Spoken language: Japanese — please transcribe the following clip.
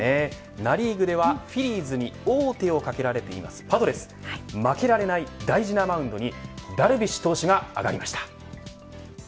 ナ・リーグではフィリーズに王手をかけられていますパドレス負けられない大事なマウンドにダルビッシュ投手が上がりました。